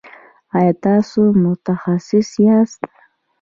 ایا تاسو متخصص یاست؟